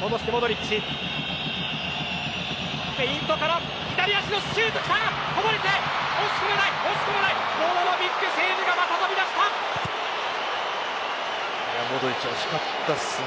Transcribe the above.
モドリッチ惜しかったですね。